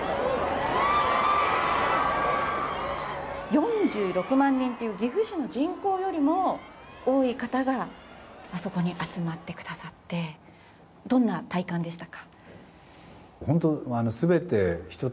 ４６万人という岐阜市の人口よりも多い方があそこに集まってくださってどんな体感でしたか？